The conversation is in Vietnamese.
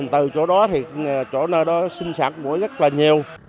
từ chỗ đó thì chỗ nơi đó sinh sản mũi rất là nhiều